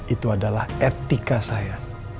itu adalah etika saya